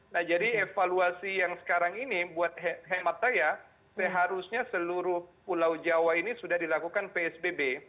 nah jadi evaluasi yang sekarang ini buat hemat saya seharusnya seluruh pulau jawa ini sudah dilakukan psbb